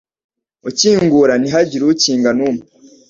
ukingura ntihagire ukinga numwe